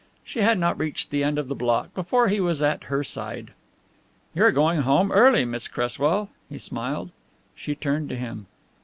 She had not reached the end of the block before he was at her side. "You are going home early, Miss Cresswell," he smiled. She turned to him.